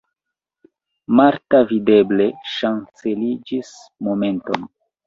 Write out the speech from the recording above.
Marta videble ŝanceliĝis momenton.